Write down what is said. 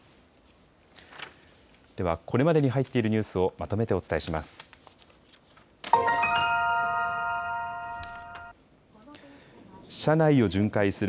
ではこれまでに入っているニュースをまとめてお伝えします。